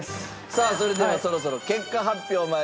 さあそれではそろそろ結果発表参りましょう。